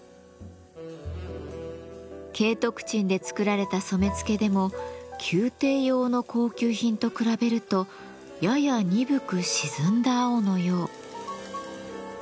景徳鎮で作られた染付でも宮廷用の高級品と比べるとやや鈍く沈んだ青のよう。